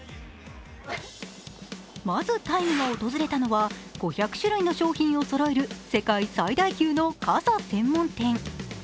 まず「ＴＩＭＥ，」が訪れたのは５００種類の商品をそろえる世界最大級の傘専門店。